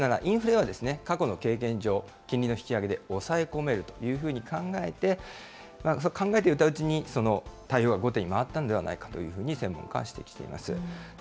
なぜなら、インフレは過去の経験上、金利の引き上げを抑え込めるというふうに考えて、考えていたうちに、対応が後手に回ったのではないかと、専門家は指摘しています。